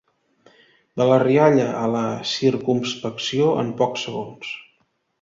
De la rialla a la circumspecció en pocs segons.